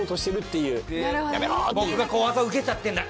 僕が技を受けちゃってんだ。